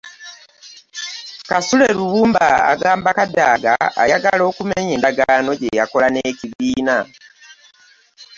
Kasule Lumumba agamba Kadaga ayagala okumenya endagaano gye yakola n'ekibiina.